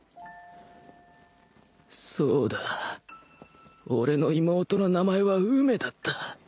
そうだ俺の妹の名前は梅だった